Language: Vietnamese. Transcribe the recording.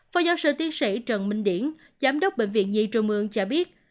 phó giáo sư tiến sĩ trần minh điển giám đốc bệnh viện nhi trường mương cho biết